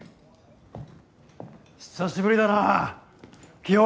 久しぶりだな清恵。